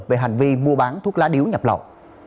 về hành vi mua bán thuốc lá điếu nhập lậu